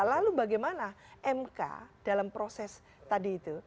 lalu bagaimana mk dalam proses tadi itu